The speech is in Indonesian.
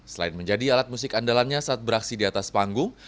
selain menjadi alat musik andalannya saat beraksi di atas panggung